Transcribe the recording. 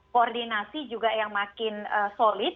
koordinasi juga yang makin solid